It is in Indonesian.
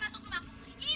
tante yang gak tau diri